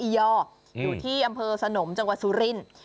อยู่ที่อำเภอสนมจังหวัดสุรินทร์